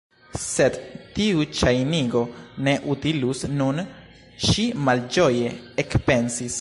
"Sed tiu ŝajnigo ne utilus nun"—ŝi malĝoje ekpensis—.